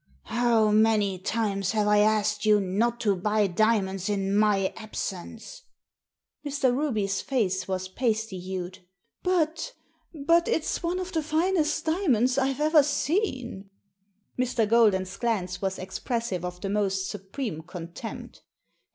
" How many times have I asked you not to buy diamonds in my absence !" Mr. Ruby's face was pasty hued. "But — ^but it's one of the finest diamonds I've ever seen." Mr. Golden's glance was expressive of the most supreme contempt.